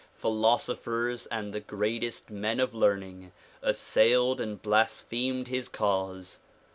Philosophers and the greatest men of learning assailed and blasphemed his cause.